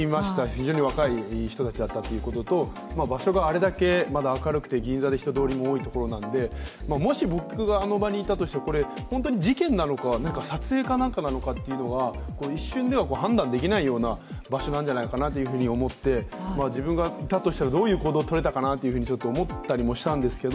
非常に若い人だったということと場所があれだけまだ明るくて銀座で人通りも多いところなのでもし僕があの場にいたとしても、これ、本当に事件なのか撮影か何かなのかというのは一瞬では判断できないような場所なんじゃないかなというふうに思って、自分がいたとしたらどういう行動がとれたかなと思ったりしたんですが。